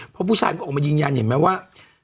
เพราะผู้ชายมันก็ออกมายืนยันเห็นไหมว่า